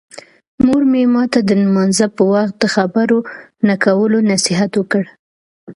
مور مې ماته د لمانځه په وخت د خبرو نه کولو نصیحت وکړ.